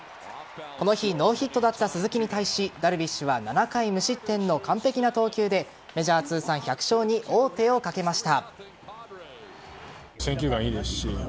この日ノーヒットだった鈴木に対しダルビッシュは７回無失点の完璧な投球でメジャー通算１００勝に王手をかけました。